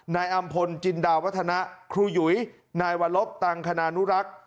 นายอำพลจินดาวัฒนะครูหยุยนายวรบตังคณานุรักษ์